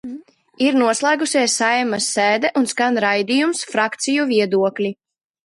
"Ir noslēgusies Saeimas sēde, un skan raidījums "Frakciju viedokļi"."